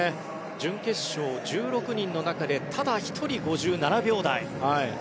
準決勝、１６人の中でただ１人５７秒台。